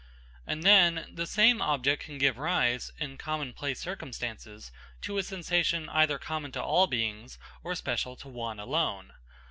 And then, the same object can give rise, in common place circumstances, to a sensation either common to all beings or special to one alone.